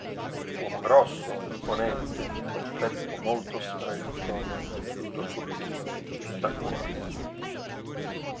Uomo grosso, imponente, col petto molto stretto nel velluto turchino del giustacuore.